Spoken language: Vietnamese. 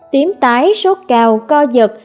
tiếm tái sốt cao co giật